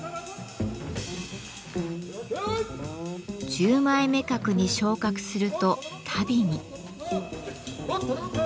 十枚目格に昇格すると足袋に。